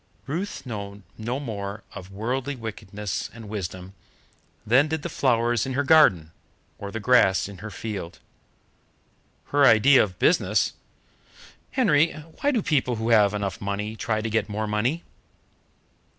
Ruth knew no more of worldly wickedness and wisdom than did the flowers in her garden, or the grass in her field. Her idea of business "Henry, why do people who have enough money try to get more money?"